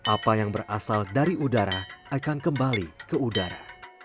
apa yang berasal dari udara akan kembali ke udara